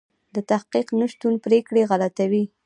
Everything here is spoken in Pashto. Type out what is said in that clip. د تحقیق نشتون پرېکړې غلطوي.